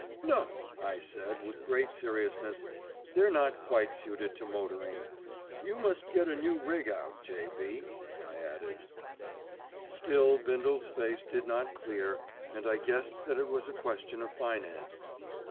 "No," I said with great seriousness, "they're not quite suited to motoring. You must get a new rig out, J.B.," I added. Still Bindle's face did not clear, and I guessed that it was a question of finance.